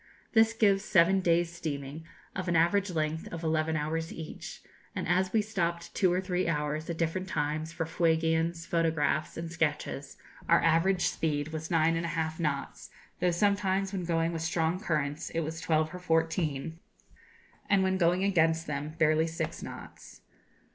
This gives seven days' steaming, of an average length of eleven hours each; and as we stopped two or three hours, at different times, for Fuegians, photographs, and sketches, our average speed was nine and a half knots, though sometimes, when going with strong currents, it was twelve or fourteen, and, when going against them, barely six knots.